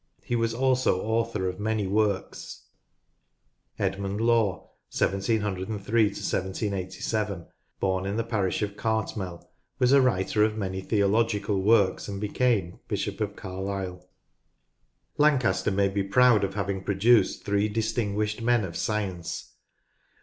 He was also author of many works. Edmund Law (1 703 1787), born in the parish of Cartmel, was a writer of many theo logical works, and became bishop of Carlisle. Lancaster may be proud of having produced three distinguished men of science.